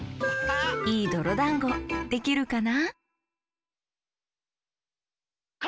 いいどろだんごできるかな？